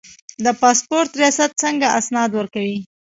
د پاسپورت ریاست څنګه اسناد ورکوي؟